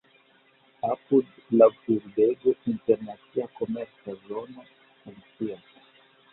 Apud la urbego internacia komerca zono funkcias.